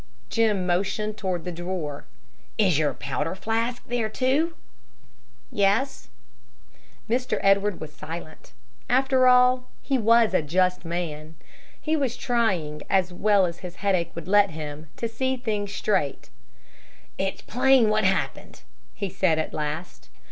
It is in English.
Jim motioned toward the drawer. "Is your powder flask there, too?" "Yes." Mr. Edwards was silent After all, he was a just man. He was trying, as well as his headache would let him, to see things straight. "It's plain what happened," he said at last.